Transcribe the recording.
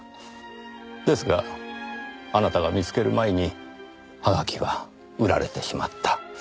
ですがあなたが見つける前にはがきは売られてしまった。